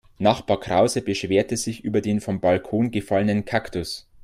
Nachbar Krause beschwerte sich über den vom Balkon gefallenen Kaktus.